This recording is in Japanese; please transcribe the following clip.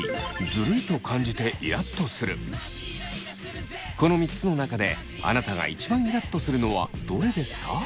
この３つの中であなたが一番イラっとするのはどれですか？